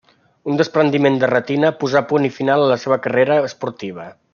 Un despreniment de retina posà punt final a la seva carrera esportiva.